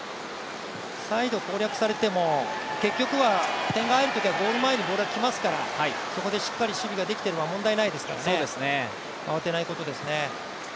サイドを攻略されても、結局は点が入るときはゴール前にぼるが来ますから、そこでしっかり守備ができていれば問題ないですから、慌てないことですね。